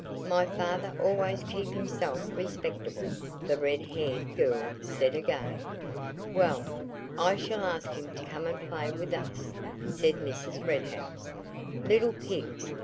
"My father always kep' hisself respectable," the red haired girl said again. "Well, I shall ask him to come and play with us," said Mrs. Red House: "Little pigs!"